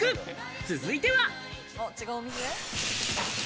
続いては。